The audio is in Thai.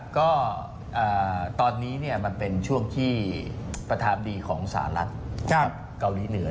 ก็ตอนนี้มันเป็นช่วงที่ประธานดีของสหรัฐเกาหลีเหนือ